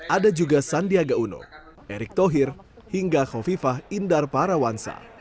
ada juga sandiaga uno erik tohir hingga khofifah indar parawansa